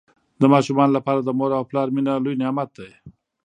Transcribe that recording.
د ماشومانو لپاره د مور او پلار مینه لوی نعمت دی.